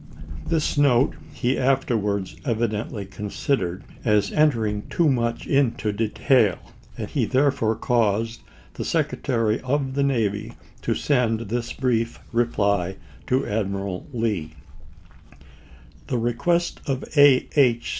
374 ABBAHAM LINCOLN ch. xiii. This note he afterwards evidently considered as entering too mnch into detail, and he therefore caused the Secretary of the Navy to send this brief reply to Admiral Lee : The request of A. H.